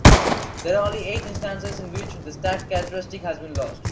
There are only eight instances in which the stacked characteristic has been lost.